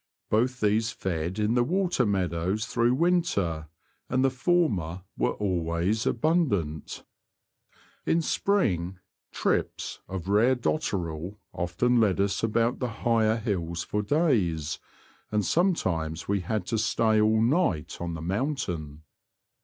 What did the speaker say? Both these fed in the water meadows through winter, and the former were always abundant. In spring, ''trips" of rare dotterel often led us 7 he Confessions of a Poacher. 25 about the higher hills for days, and sometimes we had to stay all night on the mountain.